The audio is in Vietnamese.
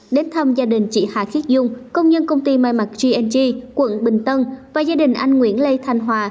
đến thăm gia đình chị hà khiết dung công nhân công ty mai mặt gng quận bình tân và gia đình anh nguyễn lê thanh hòa